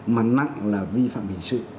mà nặng là vi phạm hình sự